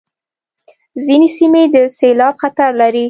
ځینې سیمې د سېلاب خطر لري.